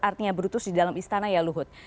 artinya brutus di dalam istana ya luhut